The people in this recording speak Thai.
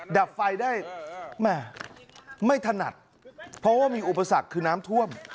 ดับไฟได้แม่ไม่ถนัดเพราะว่ามีอุปสรรคคือน้ำท่วม